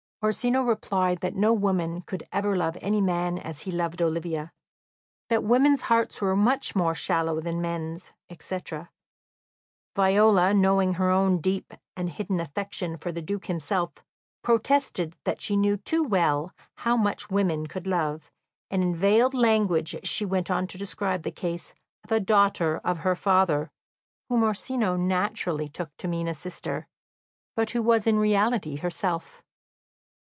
Orsino replied that no woman could ever love any man as he loved Olivia; that women's hearts were much more shallow than men's, etc. Viola, knowing her own deep and hidden affection for the Duke himself, protested that she knew too well how much women could love, and in veiled language she went on to describe the case of "a daughter of her father," whom Orsino naturally took to mean a sister, but who was in reality herself.